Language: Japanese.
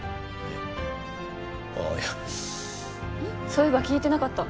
そういえば聞いてなかった。